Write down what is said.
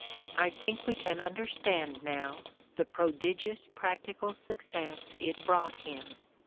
I think we can understand now the prodigious practical success it brought him.